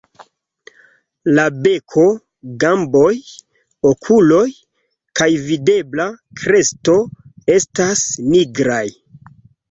La beko, gamboj, okuloj kaj videbla kresto estas nigraj.